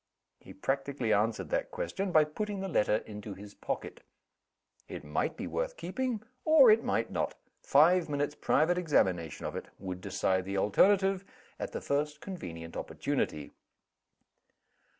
He practically answered that question by putting the letter into his pocket. It might be worth keeping, or it might not; five minutes' private examination of it would decide the alternative, at the first convenient opportunity.